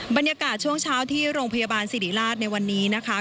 บรรยากาศช่วงเช้าที่โรงพยาบาลสิริราชในวันนี้นะคะ